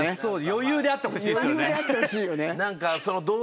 余裕であってほしいよね。